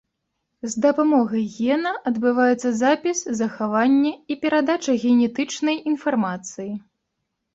З дапамогай гена адбываецца запіс, захаванне і перадача генетычнай інфармацыі.